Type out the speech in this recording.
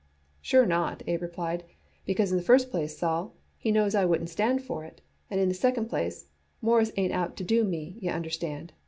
"Sure not," Abe replied, "because in the first place, Sol, he knows I wouldn't stand for it, and in the second place, Mawruss ain't out to do me, y'understand.